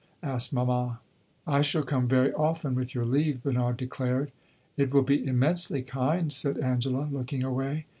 asked mamma. "I shall come very often, with your leave," Bernard declared. "It will be immensely kind," said Angela, looking away.